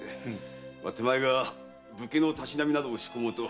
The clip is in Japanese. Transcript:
手前が武家のたしなみなどを仕込もうと呼び寄せました。